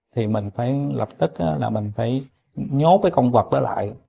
thì mình phải lập tức là mình phải nhốt cái công vật đó lại